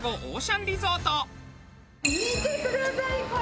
見てくださいこれ。